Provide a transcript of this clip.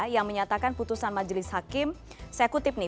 yang menyatakan putusan majelis hakim saya kutip nih